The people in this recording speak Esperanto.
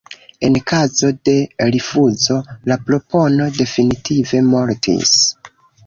En kazo de rifuzo, la propono definitive mortis.